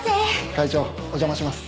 会長お邪魔します。